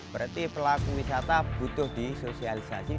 berarti pelaku wisata butuh disosialisasi